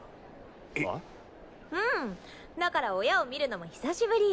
うんだから親を見るのも久しぶり。